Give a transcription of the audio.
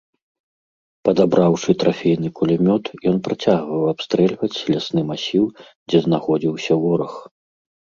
Падабраўшы трафейны кулямёт, ён працягваў абстрэльваць лясны масіў, дзе знаходзіўся вораг.